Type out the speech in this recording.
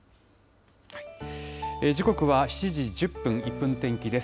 時刻は７時１０分、１分天気です。